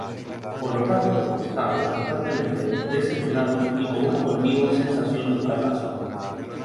Por lo tanto, están constantemente decepcionados y con una continua sensación de fracaso.